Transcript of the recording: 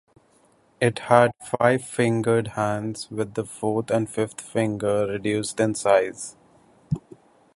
It had five-fingered hands, with the fourth and fifth finger reduced in size.